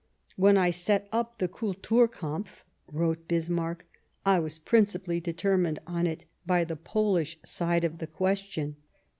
" When I set up the Kulturkampf," wrote Bismarck, " I was principally determined on it by the Polish side of the question."